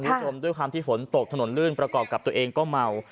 คุณผู้ชมด้วยความที่ฝนตกถนนลื่นประกอบกับตัวเองก็เมา